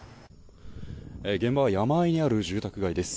現場は山あいにある住宅街です。